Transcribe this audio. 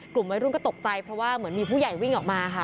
กลุ่มวัยรุ่นก็ตกใจเพราะว่าเหมือนมีผู้ใหญ่วิ่งออกมาค่ะ